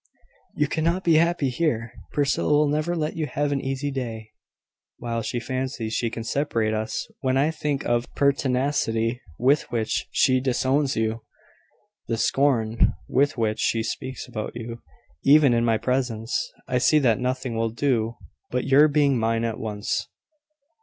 "You cannot be happy here. Priscilla will never let you have an easy day, while she fancies she can separate us. When I think of the pertinacity with which she disowns you, the scorn with which she speaks about you, even in my presence, I see that nothing will do but your being mine at once."